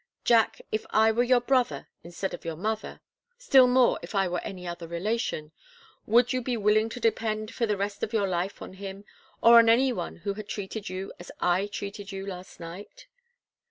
"Jack if I were your brother, instead of your mother still more, if I were any other relation would you be willing to depend for the rest of your life on him, or on any one who had treated you as I treated you last night?"